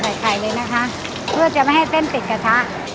ไข่เลยนะคะเพื่อจะไม่ให้เส้นติดกระทะ